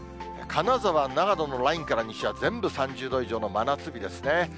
金沢、長野のラインから西は、全部３０度以上の真夏日ですね。